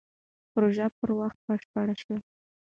پروژه پر وخت بشپړه شوه.